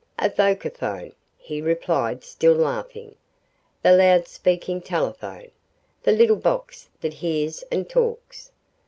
"A vocaphone," he replied, still laughing, "the loud speaking telephone, the little box that hears and talks.